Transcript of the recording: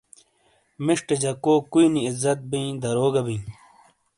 مِشٹے جَکو کُوئی نی عزت بِیئں دَرو گہ بِئیں۔